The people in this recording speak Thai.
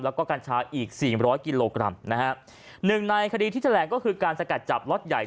แล้วก็กัญชาอีกสี่ร้อยกิโลกรัมนะฮะหนึ่งในคดีที่แถลงก็คือการสกัดจับล็อตใหญ่